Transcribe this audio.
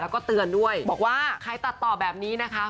แล้วก็เตือนด้วยบอกว่าใครตัดต่อแบบนี้นะคะ